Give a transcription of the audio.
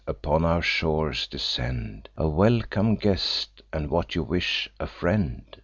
Upon our shores descend. A welcome guest, and, what you wish, a friend."